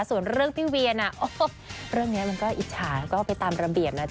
ส่วนเรื่องพี่เวียนเรื่องนี้มันก็อิจฉาแล้วก็ไปตามระเบียบนะจ